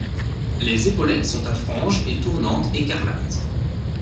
Les épaulettes sont à franges et tournantes écarlates.